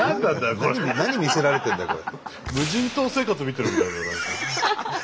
何見せられてんだよこれ。